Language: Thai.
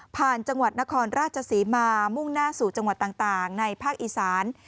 จังหวัดนครราชศรีมามุ่งหน้าสู่จังหวัดต่างในภาคอีสาน